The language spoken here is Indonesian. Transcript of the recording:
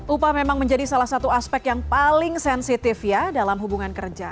upah memang menjadi salah satu aspek yang paling sensitif ya dalam hubungan kerja